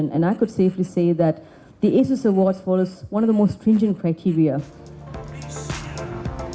dan saya bisa berkata dengan aman bahwa penghargaan asus memiliki kriteria yang lebih tertinggi